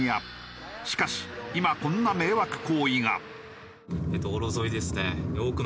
しかし今こんな迷惑行為が。